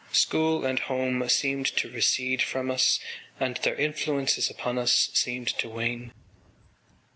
School and home seemed to recede from us and their influences upon us seemed to wane.